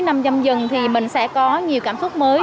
năm dâm dần thì mình sẽ có nhiều cảm xúc mới